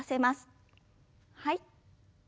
はい。